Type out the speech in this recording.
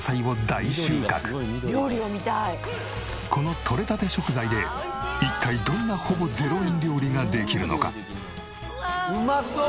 このとれたて食材で一体どんなほぼ０円料理ができるのか？